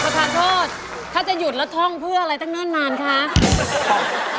ทานโทษถ้าจะหยุดแล้วท่องเพื่ออะไรตั้งเนิ่นนานคะ